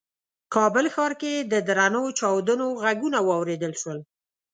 کابل ښار کې د درنو چاودنو غږونه واورېدل شول.